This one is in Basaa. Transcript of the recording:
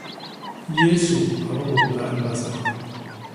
Yésu a bibômla i mbasa.